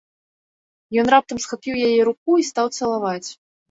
Ён раптам схапіў яе руку і стаў цалаваць.